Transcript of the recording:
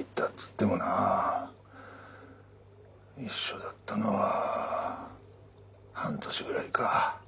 いたっつってもなぁ一緒だったのは半年ぐらいか。